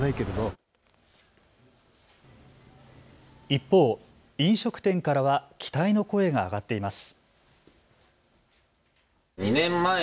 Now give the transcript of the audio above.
一方、飲食店からは期待の声が上がっています。